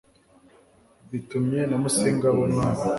bitumye na musinga aba umwami